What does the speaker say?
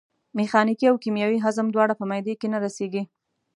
میخانیکي او کیمیاوي هضم دواړه په معدې کې نه رسېږي.